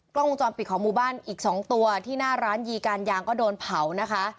กล้องวงจรปิดของหมู่บ้านอีก๒ตัวที่หน้าร้านยีการยางก็โดนเผานะคะ